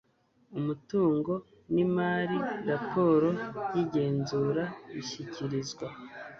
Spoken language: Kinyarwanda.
umutungo n imari raporo y igenzura ishyikirizwa